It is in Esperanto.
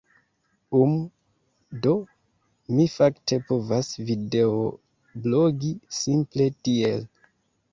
Um, do mi fakte povas videoblogi simple tiel.